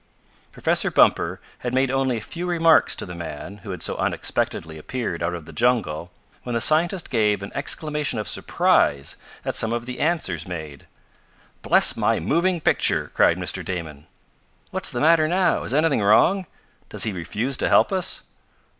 Professor Bumper had made only a few remarks to the man who had so unexpectedly appeared out of the jungle when the scientist gave an exclamation of surprise at some of the answers made. "Bless my moving picture!" cried Mr. Damon. "What's the matter now? Is anything wrong? Does he refuse to help us?"